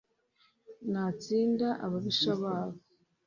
Natsinda ababisha babo.